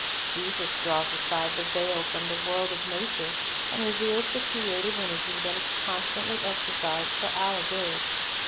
Jesus draws aside the veil from Harvest the world of nature, and reveals the creative energy that is constantly exercised for our good.